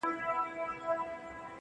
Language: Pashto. • د فکرونه، ټوله مزخرف دي.